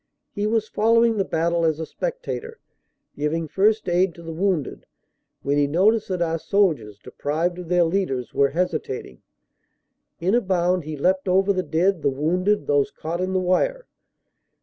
He was following the battle as a spectator, giving first aid to the wounded, when he noticed that our soldiers, deprived of their leaders, were hesitating. In a bound he leapt over the dead, the wounded, those caught in the wire.